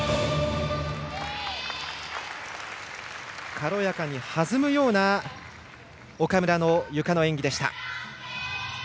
軽やかに弾むような岡村のゆかの演技でした。